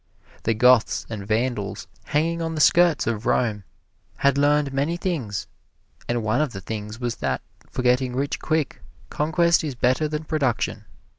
The Goths and Vandals, hanging on the skirts of Rome, had learned many things, and one of the things was that, for getting rich quick, conquest is better than production.